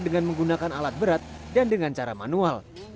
dengan menggunakan alat berat dan dengan cara manual